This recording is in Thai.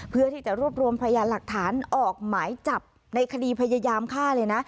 เพื่อที่จะรวบรวมพยานหลักฐานออกหมายจับในคดีพยายามฆ่าเลยนะ